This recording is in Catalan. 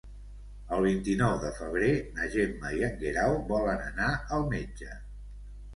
El vint-i-nou de febrer na Gemma i en Guerau volen anar al metge.